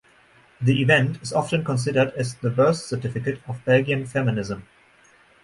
The event is often considered as the "birth certificate" of Belgian feminism.